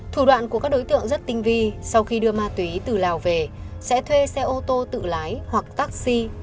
thủ đoạn của các đối tượng rất tinh vi sau khi đưa ma túy từ lào về sẽ thuê xe ô tô tự lái hoặc taxi